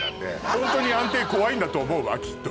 ホントに安定怖いんだと思うわきっと。